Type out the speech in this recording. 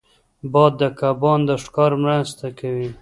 باد د کبان د ښکار مرسته کوي